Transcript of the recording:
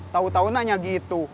tahu tahu nanya gitu